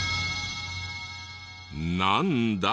なんだ？